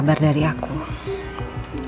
saya tidak ingin jumper